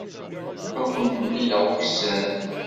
Ad kent-mlileɣ ukessar.